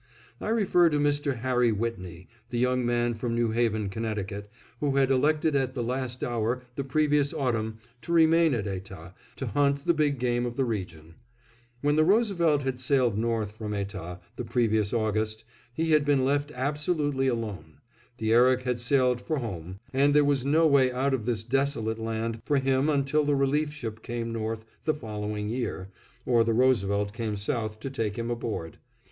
I refer to Mr. Harry Whitney, the young man from New Haven, Conn., who had elected at the last hour, the previous autumn, to remain at Etah, to hunt the big game of the region. When the Roosevelt had sailed north from Etah, the previous August, he had been left absolutely alone; the Erik had sailed for home, and there was no way out of this desolate land for him until the relief ship came north the following year, or the Roosevelt came south to take him aboard.